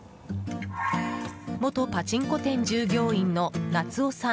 元パチンコ店従業員の夏夫さん